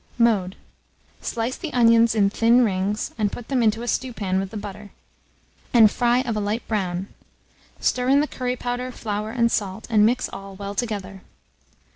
Mode. Slice the onions in thin rings, and put them into a stewpan with the butter, and fry of a light brown; stir in the curry powder, flour, and salt, and mix all well together.